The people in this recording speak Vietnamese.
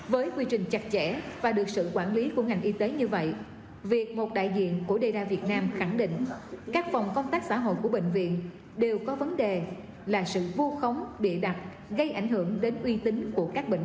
với quy trình chặt chẽ và được sự quản lý của ngành y tế như vậy